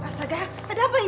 mas agah ada apa ya